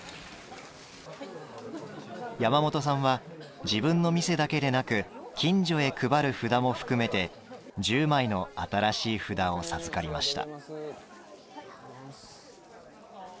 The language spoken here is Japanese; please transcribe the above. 山本さんは、自分の店だけでなく近所へ配る札も含めて１０枚の新しい札を授かりました。